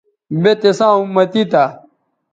بے تِساں اُمتی تھا